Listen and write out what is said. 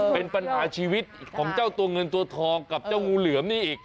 เป็นปัญหาชีวิตของเจ้าตัวเงินตัวทองกับเจ้างูเหลือมนี่อีก